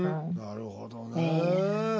なるほどねえ。